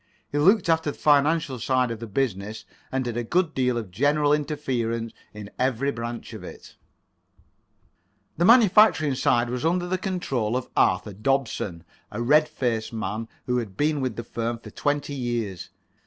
He looked after the [Pg 12]financial side of the business, and did a good deal of general interference in every branch of it. The manufacturing side was under the control of Arthur Dobson, a red faced man who had been with the firm for twenty years.